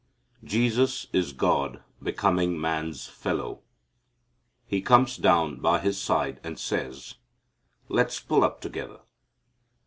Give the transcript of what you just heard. Jesus is God becoming man's fellow. He comes down by his side and says, "Let's pull up together."